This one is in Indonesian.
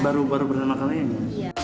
baru baru pertama kali ya